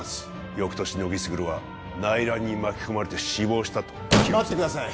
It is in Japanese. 翌年乃木卓は内乱に巻き込まれて死亡したと記録され待ってください